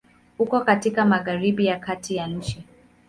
Uko katika Magharibi ya kati ya nchi.